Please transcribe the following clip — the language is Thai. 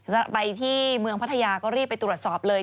จะไปที่เมืองพัทยาก็รีบไปตรวจสอบเลย